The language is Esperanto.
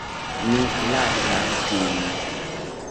Mi lasas vin.